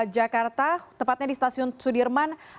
jakarta tepatnya di stasiun sudirman